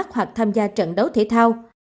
hoặc tham gia trận đấu thể thao